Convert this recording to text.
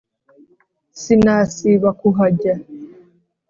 sinasiba kuhajya.